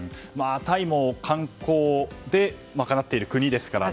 タイも観光で賄っている国ですからね。